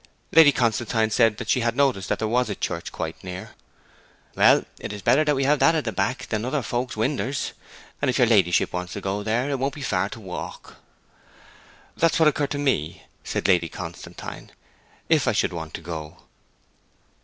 Lady Constantine said she had noticed that there was a church quite near. 'Well, it is better to have that at the back than other folks' winders. And if your ladyship wants to go there it won't be far to walk.' 'That's what occurred to me,' said Lady Constantine, 'if I should want to go.'